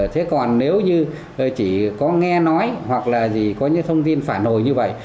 thế còn nếu như chỉ có nghe nói hoặc là gì có những thông tin phản hồi như vậy